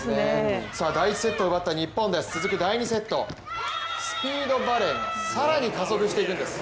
第１セットを奪った日本です続く第２セット、スピードバレーが更に加速していくんです。